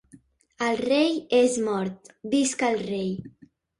El rei és mort, visca el rei.